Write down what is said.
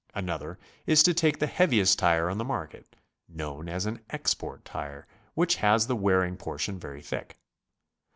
Another is to take the heaviest tire on the market, known as an "export tire," which has the wearing portion very thick.